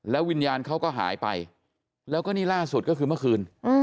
วิญญาณเขาก็หายไปแล้วก็นี่ล่าสุดก็คือเมื่อคืน